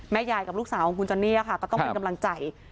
ยายกับลูกสาวของคุณจอนนี่ค่ะก็ต้องเป็นกำลังใจ